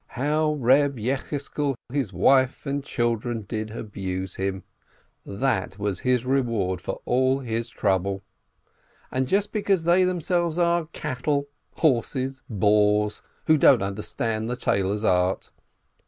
How Reb Yecheskel, his wife and children, did abuse him ! That was his reward for all his trouble. And just because they themselves are cattle, horses, boors, who don't understand the tailor's art!